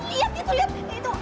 lihat itu lihat itu